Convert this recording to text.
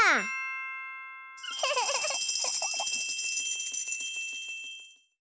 フフフフフ。